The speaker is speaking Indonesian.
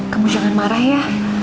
kamu jangan marah ya